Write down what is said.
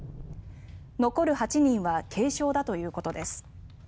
残る８人は軽傷だということです。